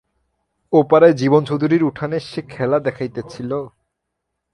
ও-পাড়ায় জীবন চৌধুরীর উঠানে সে খেলা দেখাইতেছিল।